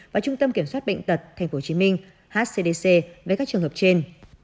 và trung tâm kiểm soát bệnh tật tp hcm hcdc với các trường hợp trên